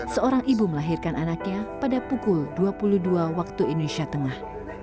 seorang ibu melahirkan anaknya pada pukul dua puluh dua waktu indonesia tengah